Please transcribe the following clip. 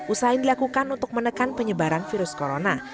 usaha yang dilakukan untuk menekan penyebaran virus corona